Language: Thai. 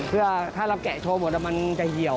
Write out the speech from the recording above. เพื่อถ้าเราแกะโชว์หมดมันจะเหี่ยว